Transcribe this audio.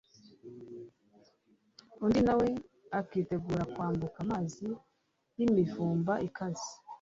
undi na we akitegura kwambuka amazi y'imivumba ikaze